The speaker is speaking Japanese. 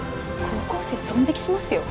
高校生ドン引きしますよ。